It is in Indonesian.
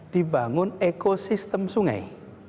dibangun ekosistem sungai